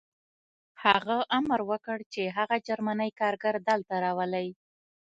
هغه امر وکړ چې هغه جرمنی کارګر دلته راولئ